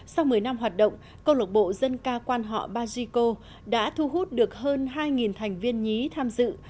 sau một mươi năm hoạt động câu lộc bộ dân ca quan họ bajiko đã thu hút được hơn hai thành viên nhí tham dự